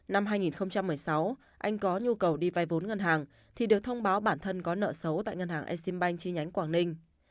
năm hai nghìn một mươi sáu anh có nhu cầu đi vai vốn ngân hàng thì được thông báo bản thân có nợ xấu tại ngân hàng e sim banh chi nhánh quảng ninh